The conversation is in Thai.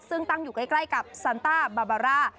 ซึ่งตั้งอยู่ใกล้กับซันต้าบาบาร่า